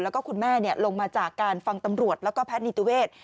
แล้วก็คุณแม่ลงมาจากการฟังตำรวจแล้วก็แพทย์นิติเวทย์